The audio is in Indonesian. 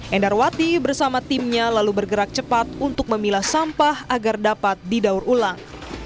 endarwati bersama timnya lalu bergerak cepat untuk memilah sampah agar dapat didaur ulang